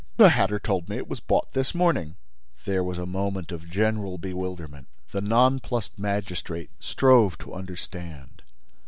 "The hatter told me it was bought this morning." There was a moment of general bewilderment. The nonplussed magistrate strove to understand.